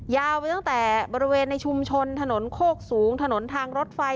ยาวไปตั้งแต่บริเวณในชุมชนถนนโคกสูงถนนทางรถไฟ